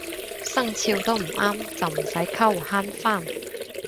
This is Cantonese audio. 生肖都唔啱就唔使溝慳返